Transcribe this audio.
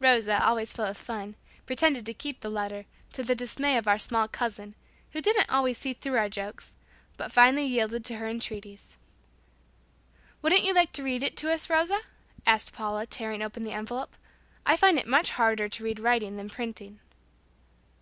Rosa, always full of fun, pretended to keep the letter, to the dismay of our small cousin, who didn't always see through our jokes, but finally yielded to her entreaties. "Wouldn't you like to read it to us, Rosa?" asked Paula, tearing open the envelope. "I find it much harder to read writing than printing."